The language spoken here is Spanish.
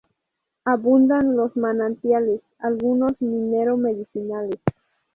Abundan los manantiales, algunos minero-medicinales.